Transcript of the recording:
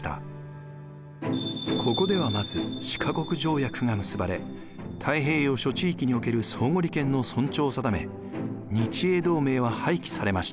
ここではまず四か国条約が結ばれ太平洋諸地域における相互利権の尊重を定め日英同盟は廃棄されました。